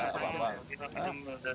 kita pinam dari tempat